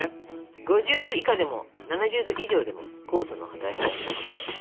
５０℃以下でも７０℃以上でも酵素の働きが鈍くなります。